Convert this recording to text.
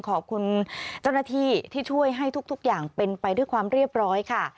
ขอบคุณเจ้าหน้าที่ที่ช่วยให้ทุกอย่างเป็นไปด้วยความเรียบร้อยค่ะ